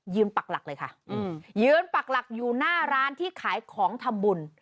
ปักหลักเลยค่ะยืนปักหลักอยู่หน้าร้านที่ขายของทำบุญ